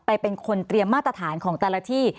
เป็นคนเตรียมมาตรฐานของแต่ละที่